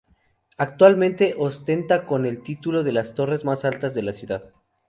Actualmente, ostentan con el título de las torres más altas de la ciudad.